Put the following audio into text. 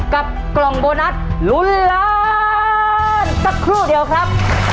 กับกล่องโบนัสลุ้นล้านสักครู่เดียวครับ